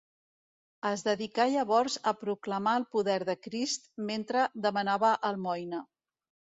Es dedicà llavors a proclamar el poder de Crist mentre demanava almoina.